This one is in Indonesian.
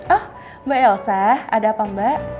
oh mbak elsa ada apa mbak